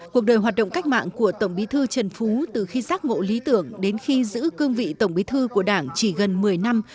cuộc đời hoạt động cách mạng của tổng bí thư trần phú từ khi giác ngộ lý tưởng đến khi giữ cương vị tổng bí thư của đảng chỉ gần một mươi năm